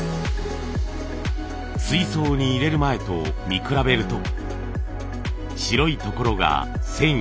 水槽に入れる前と見比べると白いところが繊維。